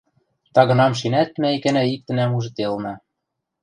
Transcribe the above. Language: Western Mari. Тагынамшенӓт мӓ икӓна-иктӹнӓм ужделна...